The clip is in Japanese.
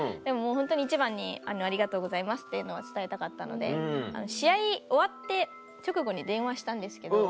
一番にありがとうございますっていうのを伝えたかったので試合終わって直後に電話したんですけど。